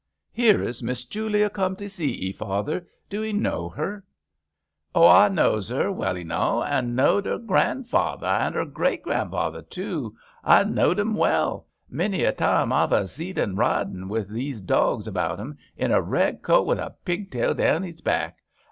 "Here is Miss Julia come to sec *ee, father. Do *ee know her ?*' "Oil knows 'er well enow, an' knowed 'er granvather an' 'er great granvather too; I knowed 'un weU. Many a time I've a zeed 'un, riding wi' 'ees dogs about 'un, in a red coat, wi' a pigtail down 'ees back.